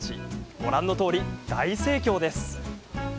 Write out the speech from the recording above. ご覧のとおり、大盛況です。